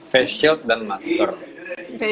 facial dan masker